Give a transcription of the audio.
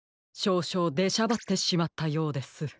少々出しゃばってしまったようです。